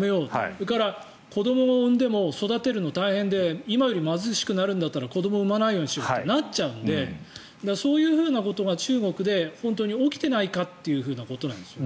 それから子どもを産んでも育てるの大変で今より貧しくなるなら子ども産まないようにしようとなっちゃうのでそういうふうなことが中国で本当に起きてないかということなんですね。